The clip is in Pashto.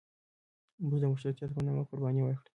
موږ د مشروطیت په نامه قرباني ورکړې.